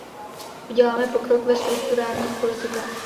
Uděláme pokrok ve strukturálních politikách.